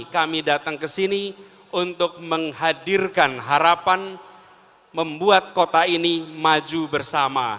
kami datang ke sini untuk menghadirkan harapan membuat kota ini maju bersama